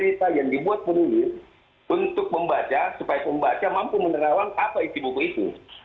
cerita yang dibuat penulis untuk membaca supaya pembaca mampu menerawang apa isi buku itu